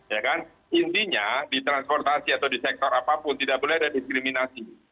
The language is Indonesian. ya kan intinya di transportasi atau di sektor apapun tidak boleh ada diskriminasi